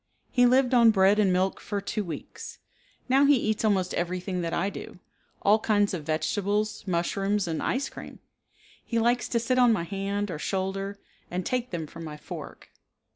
He lived on bread and milk for two weeks. Now he eats almost everything that I do. All kinds of vegetables, mushrooms, and ice cream. He likes to sit on my hand or shoulder and take them from my fork.